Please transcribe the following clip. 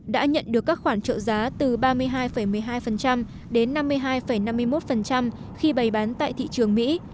đã nhận được các khoản trợ giá từ ba mươi hai một mươi hai đến năm mươi hai năm mươi một khi bày bán tại thị trường mỹ